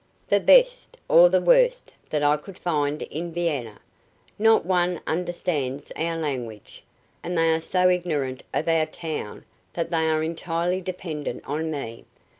"The best or the worst that I could find in Vienna. Not one understands our language, and they are so ignorant of our town that they are entirely dependent on me.